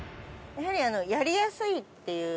やはりやりやすいっていう。